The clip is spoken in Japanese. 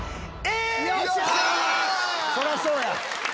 そりゃそうや！